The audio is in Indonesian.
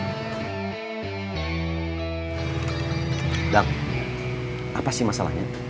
dadang apa sih masalahnya